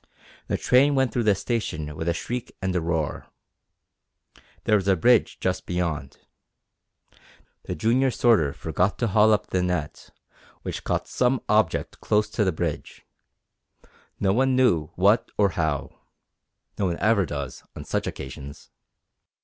The train went through the station with a shriek and a roar. There was a bridge just beyond. The junior sorter forgot to haul up the net, which caught some object close to the bridge no one knew what or how. No one ever does on such occasions!